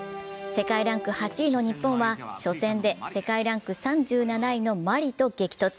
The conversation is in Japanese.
世界ランク８位の日本は初戦で世界ランク３７位のマリと激突。